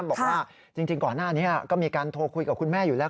บอกว่าจริงก่อนหน้านี้ก็มีการโทรคุยกับคุณแม่อยู่แล้ว